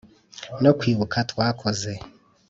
no kwibuka twakoze,